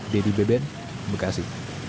dedy beben bekasi